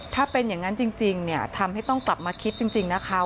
ถ้าเป็นอย่างนั้นจริงเนี่ยทำให้ต้องกลับมาคิดจริงนะคะ